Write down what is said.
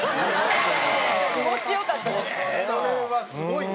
これはすごいね。